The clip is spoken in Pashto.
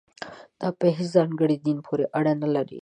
دا په هېڅ ځانګړي دین پورې اړه نه لري.